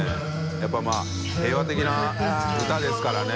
やっぱまぁ平和的な歌ですからね。）